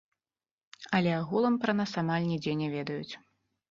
Але агулам пра нас амаль нідзе не ведаюць.